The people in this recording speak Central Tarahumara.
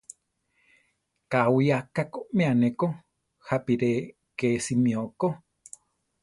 Káwi aká koʼmea neko, jápi re ké simió ko.